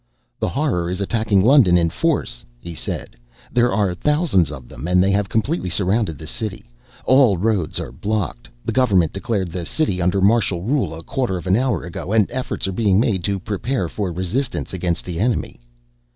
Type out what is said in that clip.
"The Horror is attacking London in force," he said. "There are thousands of them and they have completely surrounded the city. All roads are blocked. The government declared the city under martial rule a quarter of an hour ago and efforts are being made to prepare for resistance against the enemy."